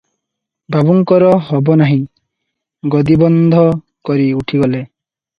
ବାବୁଙ୍କର ହୋବ ନାହିଁ, ଗଦି ବନ୍ଦ କରି ଉଠିଗଲେ ।